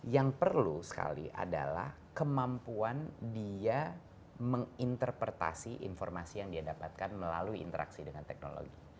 yang perlu sekali adalah kemampuan dia menginterpretasi informasi yang dia dapatkan melalui interaksi dengan teknologi